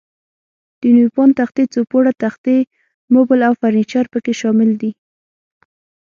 د نیوپان تختې، څو پوړه تختې، موبل او فرنیچر پکې شامل دي.